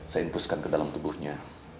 saya inpuskan ke dalam tubuhnya